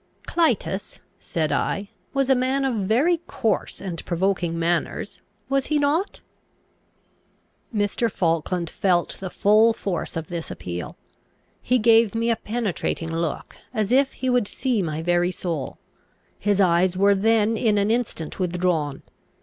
"Clitus," said I, "was a man of very coarse and provoking manners, was he not?" Mr. Falkland felt the full force of this appeal. He gave me a penetrating look, as if he would see my very soul. His eyes were then in an instant withdrawn.